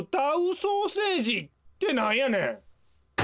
ソーセージってなんやねん！